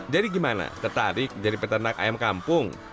jadi gimana tertarik jadi peternak ayam kampung